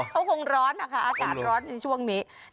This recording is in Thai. เขาคงร้อนนะคะอากาศร้อนในช่วงนี้